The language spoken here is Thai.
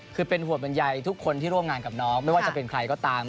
คือเป็นห่วงบรรยายทุกคนที่ร่วมงานกับน้องไม่ว่าจะเป็นใครก็ตาม